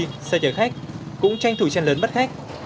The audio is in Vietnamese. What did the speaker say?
và nhiều người khách cũng tranh thủi chen lớn bắt khách